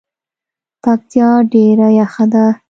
پکتیا ډیره یخه ده